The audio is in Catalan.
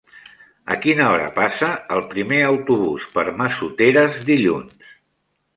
A quina hora passa el primer autobús per Massoteres dilluns?